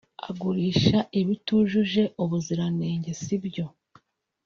agurisha ibitujuje ubuziranenge sibyo